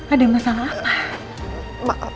ada masalah apa